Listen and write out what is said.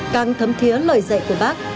càng thấm thiế lời dạy của bác